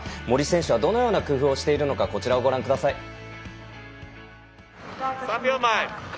森選手はどのような工夫をしているのかこちらをご覧ください。